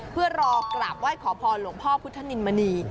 เพื่อรอกราบไหว้ขอพรหลวงพ่อพุทธนินมณี